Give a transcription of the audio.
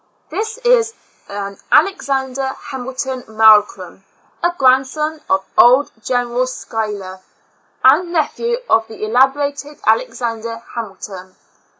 This is Alexander Hamilton Malcrum, a grandson of old Gen. Schuyler, and nephew of the cele> brated Alexander Hamilton.